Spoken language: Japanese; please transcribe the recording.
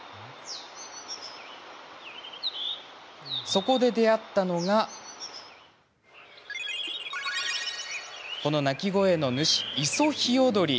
そこで出会ったのがこの鳴き声の主イソヒヨドリ。